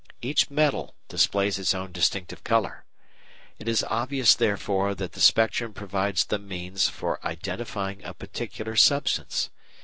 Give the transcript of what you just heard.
_Each metal displays its own distinctive colour. It is obvious, therefore, that the spectrum provides the means for identifying a particular substance.